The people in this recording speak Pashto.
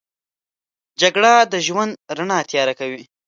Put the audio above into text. جګړه د ژوند رڼا تیاره کوي